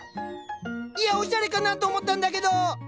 いやおしゃれかなと思ったんだけど！